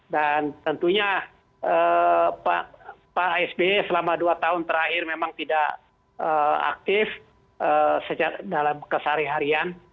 dan tentunya pak sp selama dua tahun terakhir memang tidak aktif dalam kesari harian